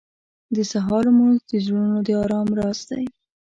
• د سهار لمونځ د زړونو د ارام راز دی.